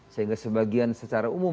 sehingga sebagian secara umum